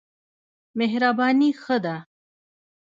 مهرباني ښه ده.